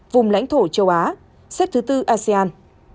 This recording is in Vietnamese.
vùng lãnh thổ châu á xếp thứ bốn asean